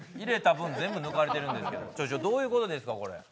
入れた分、全部抜かれてる、どういうことですか。